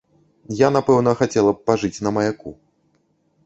Я, напэўна, хацела б пажыць на маяку.